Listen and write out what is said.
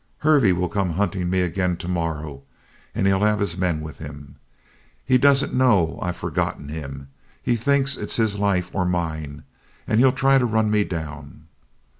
"Hervey will come hunting me again tomorrow, and he'll have his men with him. He doesn't know I've forgotten him. He thinks it's his life or mine, and he'll try to run me down."